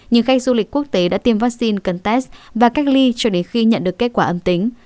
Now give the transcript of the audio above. nhưng khách du lịch quốc tế đã tiêm vaccine cần test và cách ly cho đến khi nhận được kết quả âm tính